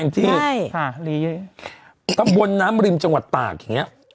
เองที่ใช่ค่ะลีตำบลน้ำริมจังหวัดตากอย่างเงี้ย